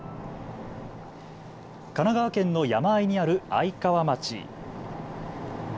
神奈川県の山あいにある愛川町。